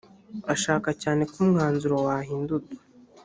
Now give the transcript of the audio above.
ashaka cyane ko umwanzuro wahindurwa .